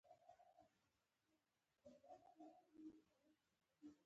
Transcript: نو د خیال بدلولو پۀ غرض مې ورته اووې ـ